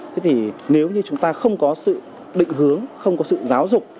thế thì nếu như chúng ta không có sự định hướng không có sự giáo dục